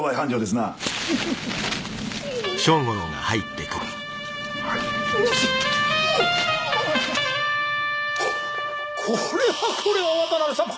なおっこれはこれは渡辺さま